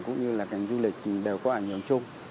cũng như là cảnh du lịch đều có ảnh hưởng chung